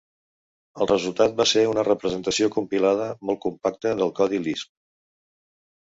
El resultat va ser una representació compilada molt compacta del codi Lisp.